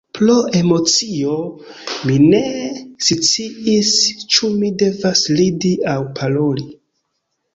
Pro emocio, mi ne sciis ĉu mi devas ridi aŭ plori...